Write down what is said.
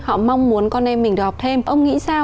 họ mong muốn con em mình được học thêm ông nghĩ sao